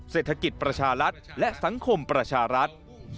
เศรษฐกิจประชารัฐและสังคมประชารัฐ